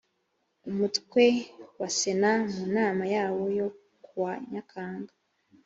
umutwe wa sena mu nama yawo yo kuwa nyakanga